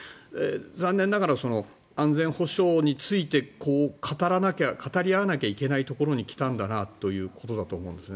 残念ながら安全保障について語り合わなきゃいけないところに来たんだなということだと思うんですね。